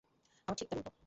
আমার ঠিক তার উলটা।